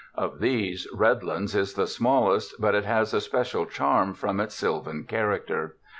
Of these, Red lands is the smallest, but it has a special charm from its sylvan character.